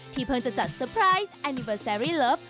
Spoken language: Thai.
เพิ่งจะจัดเตอร์ไพรส์แอนิเวอร์แซรี่เลิฟ